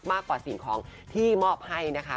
มากกว่าสิ่งของที่มอบให้นะคะ